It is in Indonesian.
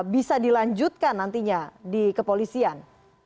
bisa dilanjutkan nantinya di kepolisian